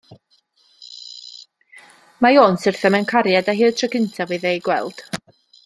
Mae o'n syrthio mewn cariad â hi y tro cyntaf iddo ei gweld.